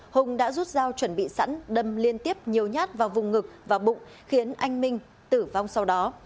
hùng đã rút dao chuẩn bị sẵn đâm liên tiếp nhiều nhát vào vùng ngực và bụng khiến anh minh tử vong sau đó